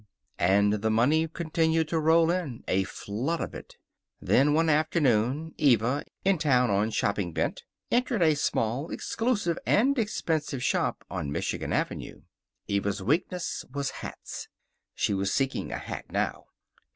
And the money continued to roll in a flood of it. Then, one afternoon, Eva, in town on shopping bent, entered a small, exclusive, and expensive shop on Michigan Avenue. Eva's weakness was hats. She was seeking a hat now.